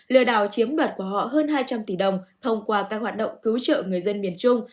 lừa đảo chiếm đoạt của họ hơn hai trăm linh tỷ đồng thông qua các hoạt động cứu trợ người dân miền trung